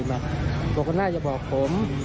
บอกคุณหน้าอย่าบอกผม